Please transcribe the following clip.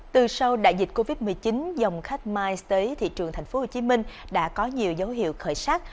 từ sau đại dịch covid một mươi chín dòng khách miles tới thị trường tp hcm đã có nhiều dấu hiệu khởi sát